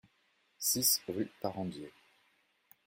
six rue Parandier